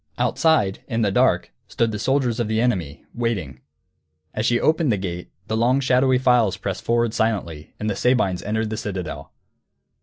Outside, in the dark, stood the soldiers of the enemy, waiting. As she opened the gate, the long shadowy files pressed forward silently, and the Sabines entered the citadel.